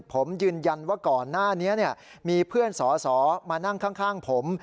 ผมยืนยันว่าก่อนหน้านี้มีเพื่อนสอสอมานั่งข้างผม